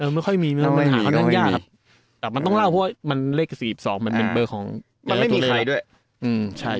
ไม่ค่อยมีค่อนข้างยากครับมันต้องเล่าเพราะมันเลข๔๒มันเป็นเบอร์ของยายาตุเล่ด้วย